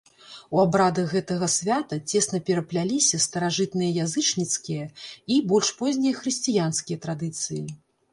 У абрадах гэтага свята цесна перапляліся старажытныя язычніцкія і больш познія хрысціянскія традыцыі.